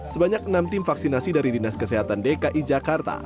sebanyak enam tim vaksinasi dari dinas kesehatan dki jakarta